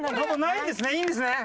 いいんですね？